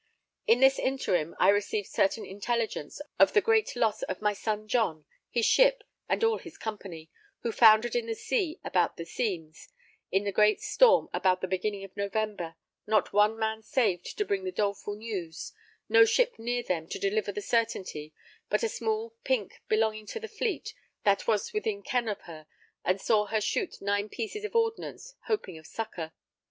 In this interim I received certain intelligence of the great loss of my son John, his ship, and all his company, who foundered in the sea about the Seames, in a great storm about the beginning of November; not one man saved to bring the doleful news; no ship near them to deliver the certainty, but a small pink belonging to the Fleet, that was within ken of her, and saw her shoot 9 pieces of ordnance, hoping of succour.